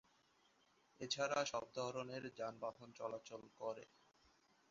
এছাড়া সব ধরনের যানবাহন চলাচল করে।